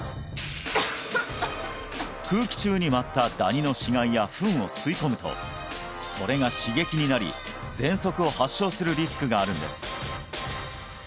空気中に舞ったダニの死骸やフンを吸い込むとそれが刺激になり喘息を発症するリスクがあるんです